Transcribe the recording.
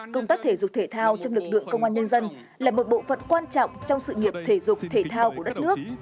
công tác thể dục thể thao trong lực lượng công an nhân dân là một bộ phận quan trọng trong sự nghiệp thể dục thể thao của đất nước